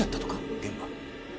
現場。